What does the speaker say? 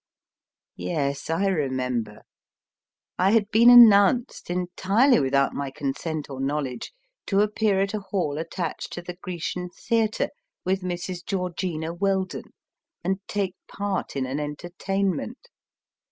Yes, I remember. I had been announced, entirely with out my consent or knowledge, to appear at a hall attached to the Grecian Theatre with Mrs. Georgina Weldon, and take part in an entertainment.